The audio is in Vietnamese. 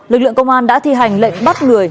lực lượng công an đã thi hành lệnh bắt người